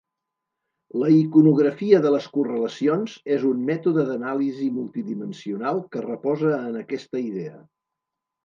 La iconografia de les correlacions és un mètode d'anàlisi multidimensional que reposa en aquesta idea.